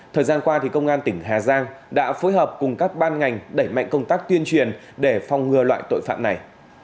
thời gian qua công an tỉnh hà giang đã phối hợp cùng các ban ngành đẩy mạnh công tác tuyên truyền để phòng ngừa loại tội phạm này